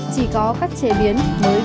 chỉ có các chế biến mới